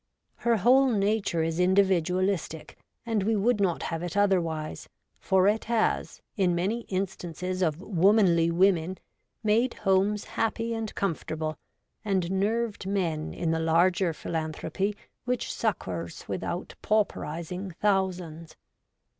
Her whole nature is individualistic, and we would not have it otherwise, for it has, in many S2 REVOLTED WOMAN. instances of womanly women, made homes happy and comfortable, and nerved men in the larger philanthropy which succours without pauperising thousands.